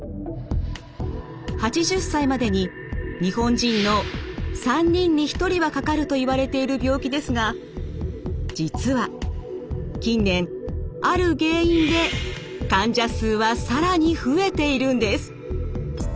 ８０歳までに日本人の３人に１人はかかるといわれている病気ですが実は近年ある原因で患者数は更に増えているんです。